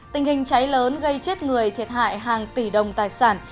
tình hình cháy lớn gây chết người thiệt hại hàng tỷ đồng tài sản